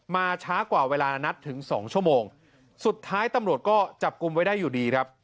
ช้ากว่าเวลานัดถึงสองชั่วโมงสุดท้ายตำรวจก็จับกลุ่มไว้ได้อยู่ดีครับ